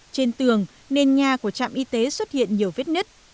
trên tường nền nhà của trạm y tế xuất hiện nhiều vết nứt